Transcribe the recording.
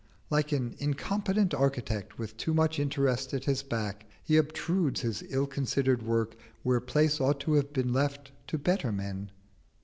Like an incompetent architect with too much interest at his back, he obtrudes his ill considered work where place ought to have been left to better men.